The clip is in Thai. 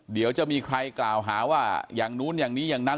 เดี๋ยวจะมีใครกล่าวหาว่าอย่างนู้นอย่างนี้อย่างนั้น